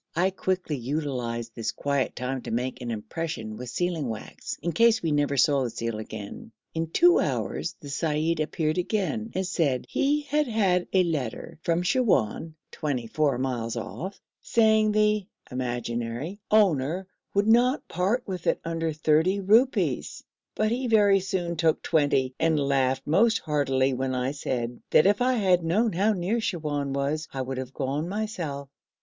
I quickly utilised this quiet time to make an impression with sealing wax, in case we never saw the seal again. In two hours the seyyid appeared again, and said he had had a letter from Siwoun (twenty four miles off), saying the (imaginary) owner would not part with it under thirty rupees, but he very soon took twenty and laughed most heartily when I said if I had known how near Siwoun was I would have gone myself.